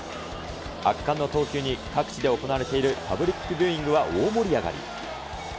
圧巻の投球に、各地で行われているパブリックビューイングは大盛り上がり。